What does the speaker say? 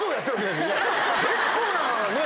結構なねぇ。